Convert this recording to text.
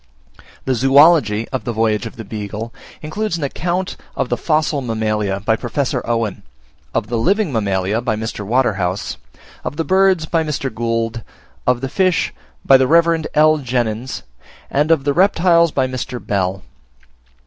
The Zoology of the Voyage of the Beagle includes an account of the Fossil Mammalia, by Professor Owen; of the Living Mammalia, by Mr. Waterhouse; of the Birds, by Mr. Gould; of the Fish, by the Rev. L. Jenyns; and of the Reptiles, by Mr. Bell.